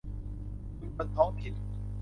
ชุมชนท้องถิ่น